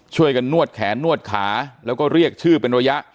ช่วยกันนวดแขนนวดขาแล้วก็เรียกชื่อเป็นระยะ